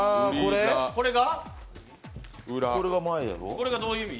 これがどういう意味？